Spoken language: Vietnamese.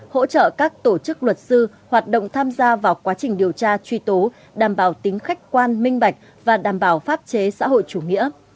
hỗ trợ các tổ chức luật sư hoạt động tham gia vào quá trình điều tra truy tố đảm bảo tính khách quan minh bạch và đảm bảo pháp chế xã hội chủ nghĩa